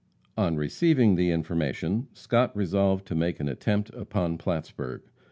] On receiving the information, Scott resolved to make an attempt upon Plattsburg.